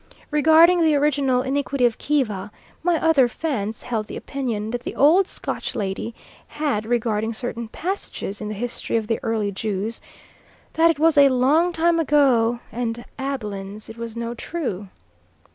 Regarding the original iniquity of Kiva, my other Fans held the opinion that the old Scotch lady had regarding certain passages in the history of the early Jews that it was a long time ago, and aiblins it was no true.